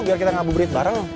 biar kita ngabubrit bareng ya